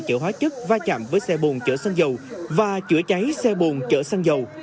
chữa hóa chất va chạm với xe buồn chở xăng dầu và chữa cháy xe buồn chở xăng dầu